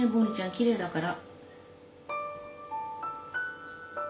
きれいだから。